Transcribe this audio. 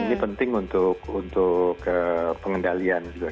ini penting untuk pengendalian juga